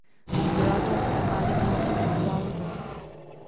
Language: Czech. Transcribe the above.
Zbylá část armády měla čekat v záloze.